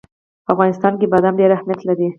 په افغانستان کې بادام ډېر اهمیت لري.